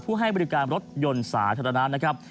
ให้บริการรถยนต์สาธารณะนะครับ